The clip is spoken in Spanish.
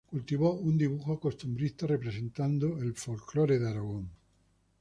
Cultivó un dibujo costumbrista, representando el folclore de Aragón.